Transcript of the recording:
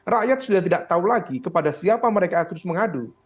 rakyat sudah tidak tahu lagi kepada siapa mereka yang terus mengadu